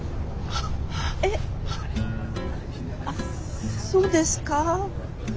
えっあっそうですか。